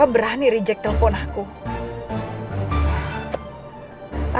aku harus bikin perhitungan sama reva